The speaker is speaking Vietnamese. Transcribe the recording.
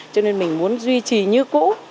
cho nên mình muốn duy trì như cũ